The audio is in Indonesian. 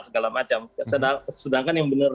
segala macam sedangkan yang benar